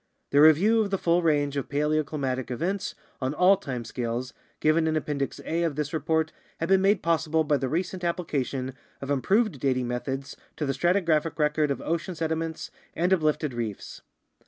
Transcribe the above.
The review of the full range of paleoclimatic events on all time scales given in Appendix A of this report has been made possible by the recent application of improved dating methods to the stratigraphic record, of ocean sediments and uplifted reefs.